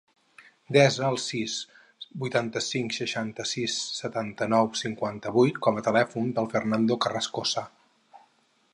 Desa el sis, vuitanta-cinc, seixanta-sis, setanta-nou, cinquanta-vuit com a telèfon del Fernando Carrascosa.